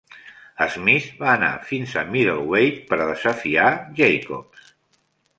Smith va anar fins a Middleweight per desafiar Jacobs.